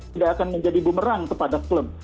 tidak akan menjadi bumerang kepada klub